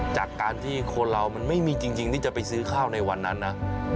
จากการที่คนเรามันไม่มีจริงที่จะไปซื้อข้าวในวันนั้นนะ